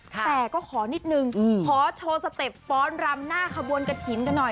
แต่ก็ขอนิดนึงขอโชว์สเต็ปฟ้อนรำหน้าขบวนกระถิ่นกันหน่อย